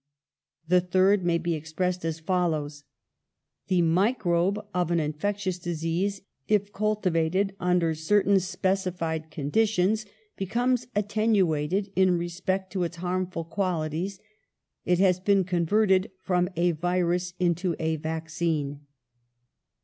'The third may be expressed as follows : The microbe of an infectious disease, if cultivated under certain specified conditions, becomes at tenuated in respect to its harmful qualities; it has been converted from a virus into a vaccine.